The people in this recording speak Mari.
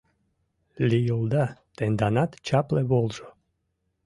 Лийылда тенданат чапле волжо».